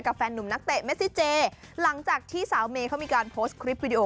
แฟนหนุ่มนักเตะเมซิเจหลังจากที่สาวเมย์เขามีการโพสต์คลิปวิดีโอ